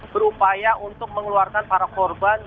berupaya untuk mengeluarkan para korban